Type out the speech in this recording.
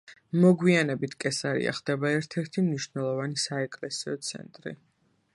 მოგვიანებით კესარია ხდება ერთ–ერთი მნიშვნელოვანი საეკლესიო ცენტრი.